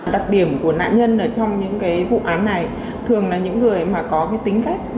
đặc điểm của nạn nhân trong những vụ án này thường là những người có tính cách